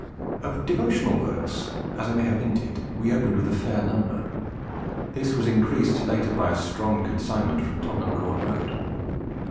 Of devotional works, as I may have hinted, we opened with a fair number; this was increased later by a strong consignment from Tottenham Court Road.